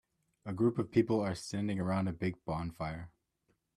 A group of people are standing around a big bonfire.